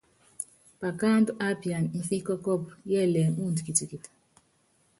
Pakáandú á piana mfí kɔ́kɔ́ɔ́pú yɛ́lɛɛ́ muundɔ kitikiti.